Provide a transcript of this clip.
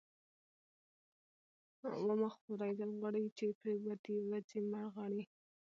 ـ ومه خورئ غوړي ،چې پرې ودې وځي مړغړي.